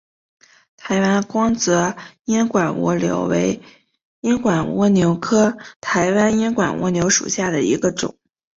台湾光泽烟管蜗牛为烟管蜗牛科台湾烟管蜗牛属下的一个种。